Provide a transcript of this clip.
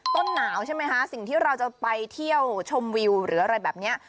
ต้นหนาวใช่ไหมคะสิ่งที่เราจะไปเที่ยวชมวิวหรืออะไรแบบนี้